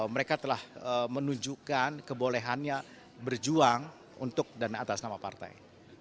mereka telah menunjukkan kebolehannya berjuang untuk dana atas nama partai